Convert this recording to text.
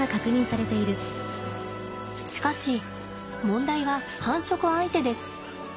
しかし問題は繁殖相手です。